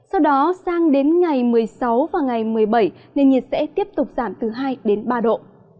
sau đó sang đến ngày một mươi sáu và ngày một mươi bảy nền nhiệt sẽ tiếp tục giảm từ hai đến ba độ